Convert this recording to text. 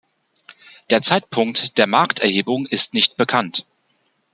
Der Zeitpunkt der Markterhebung ist nicht bekannt.